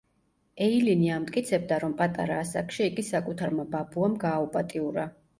ეილინი ამტკიცებდა, რომ პატარა ასაკში იგი საკუთარმა ბაბუამ გააუპატიურა.